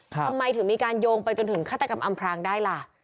ทำไมถึงมีการโยงไปจนถึงฆาตกรรมอำพรางได้ล่ะ